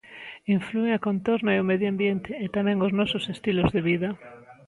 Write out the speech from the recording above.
Inflúe a contorna e o medio ambiente, e tamén os nosos estilos de vida.